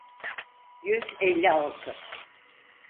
Yüz elli altı.